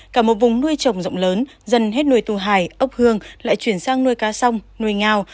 cả một vùng nuôi trồng rộng lớn dần hết nuôi tu hải ốc hương lại chuyển sang nuôi cá sông nuôi ngao